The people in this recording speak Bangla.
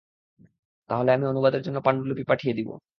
তাহলে, আমি অনুবাদের জন্য পাণ্ডুলিপি পাঠিয়ে দিব।